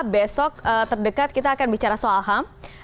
besok terdekat kita akan bicara soal ham